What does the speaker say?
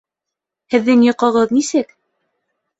Һеҙҙең йоҡоғоҙ нисек?